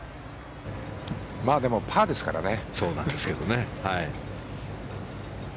まあ、でもパーですからね。